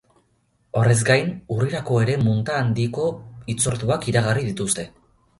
Horrez gain, urrirako ere munta handiko hitzorduak iragarri dituzte.